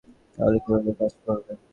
তাহলে কীভাবে কাজ করে?